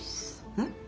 うん。